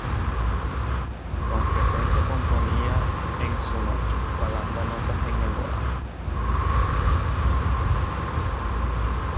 Con frecuencia componía en su coche, pegando notas en el volante.